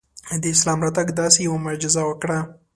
د اسلام راتګ داسې یوه معجزه وکړه.